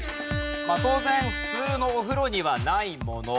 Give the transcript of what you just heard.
まあ当然普通のお風呂にはないもの。